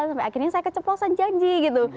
sampai akhirnya saya keceplosan janji gitu